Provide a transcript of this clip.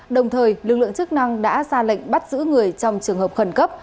đồng thời lực lượng chức năng đã ra lệnh bắt giữ người trong trường hợp khẩn cấp